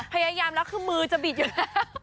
พยายามแล้วคือมือจะบิดอยู่แล้ว